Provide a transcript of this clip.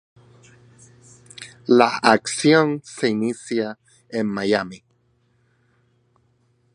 La acción se inicia en Miami.